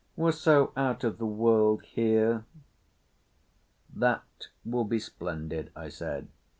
"We're so out of the world here." "That will be splendid," I said.